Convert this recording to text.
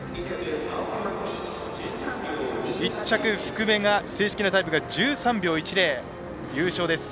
１着、福部が正式なタイムが１３秒１０、優勝です。